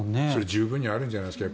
十分にあるんじゃないですか。